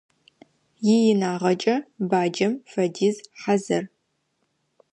Иинагъэкӏэ баджэм фэдиз хьазыр.